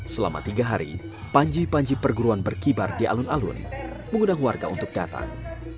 selama tiga hari panji panji perguruan berkibar di alun alun mengundang warga untuk datang